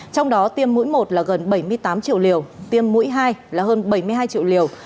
trong đó tiêm mũi một là gần bảy mươi tám triệu liều tiêm mũi hai là hơn bảy mươi hai triệu liều